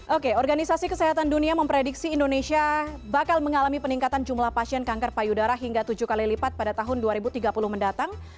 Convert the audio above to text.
oke organisasi kesehatan dunia memprediksi indonesia bakal mengalami peningkatan jumlah pasien kanker payudara hingga tujuh kali lipat pada tahun dua ribu tiga puluh mendatang